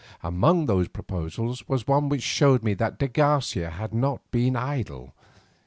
Among those proposals was one which showed me that de Garcia had not been idle.